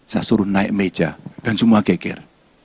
saya suruh naik meja dan semua geger